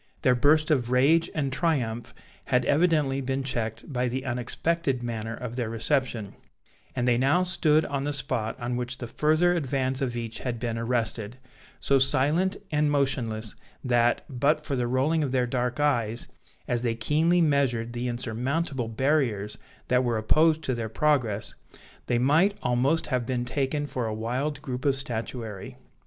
Their burst of rage and triumph had evidently been checked by the unexpected manner of their reception; and they now stood on the spot on which the further advance of each had been arrested, so silent and motionless, that, but for the rolling of their dark eyes, as they keenly measured the insurmountable barriers that were opposed to their progress, they might almost have been taken for a wild group of statuary.